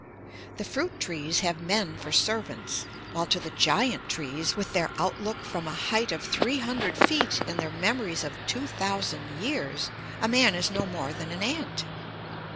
The fruit trees have men for servants, while to the giant trees with their outlook from a height of three hundred feet and their memories of two thousand years, a man is no more than an ant.